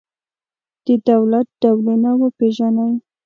د دولت ډولونه وپېژنئ.